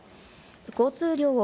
交通量を